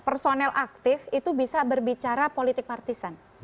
personel aktif itu bisa berbicara politik partisan